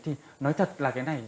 thì nói thật là cái này